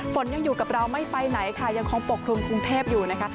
ฝนยังอยู่กับเราไม่ไปไหนค่ะยังคงปกคลุมกรุงเทพอยู่นะคะ